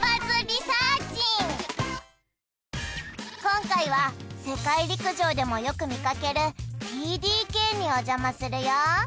今回は世界陸上でもよく見かけるＴＤＫにお邪魔するよ